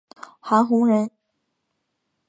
韩弘人。